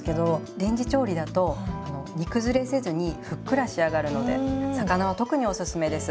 レンジ調理だと煮崩れせずにふっくら仕上がるので魚は特におすすめです。